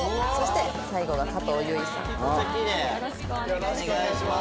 よろしくお願いします。